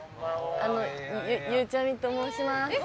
あのゆうちゃみと申します。